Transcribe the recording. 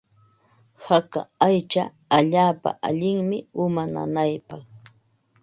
Haka aycha allaapa allinmi uma nanaypaq.